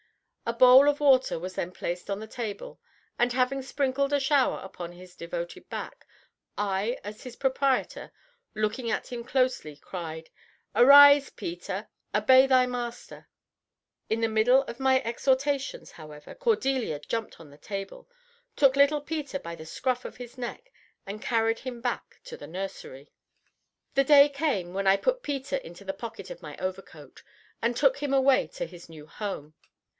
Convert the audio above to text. A bowl of water was then placed on the table and, having sprinkled a shower upon his devoted back, I as his proprietor, looking at him closely, cried: "Arise, Peter; obey thy master." In the middle of my exhortations, however, Cordelia jumped on the table, took little Peter by the scruff of his neck, and carried him back to the nursery. The day came when I put Peter into the pocket of my overcoat, and took him away to his new home.